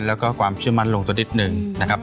แล้วก็ความเชื่อมั่นลงตัวนิดนึงนะครับ